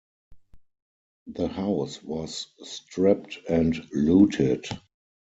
The house was stripped and looted.